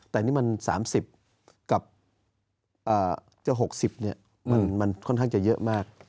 แต่นี่มันสามสิบกับอ่าเจ้าหกสิบเนี่ยมันมันค่อนข้างจะเยอะมาก